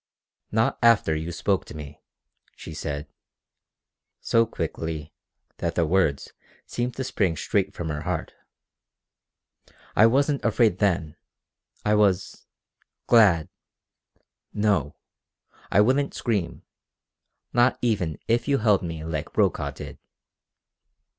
"Not after you spoke to me," she said, so quickly that the words seemed to spring straight from her heart. "I wasn't afraid then. I was glad. No, I wouldn't scream not even if you held me like Brokaw did!"